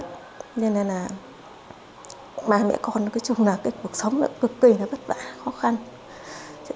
cho nên là nếu mà mẹ con có thể làm được thì mẹ con cũng có thể làm được nếu mà mẹ con có thể làm được thì mẹ con cũng có thể làm được